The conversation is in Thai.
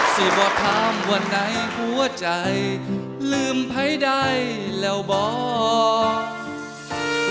สิบอทามว่าไหนหัวใจลืมให้ได้แล้วบอก